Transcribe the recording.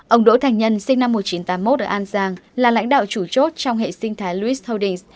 ông đỗ thành nhân sinh năm một nghìn chín trăm tám mươi một ở an giang là lãnh đạo chủ chốt trong hệ sinh thái los holdings